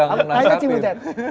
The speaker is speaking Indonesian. aku tanya cibutet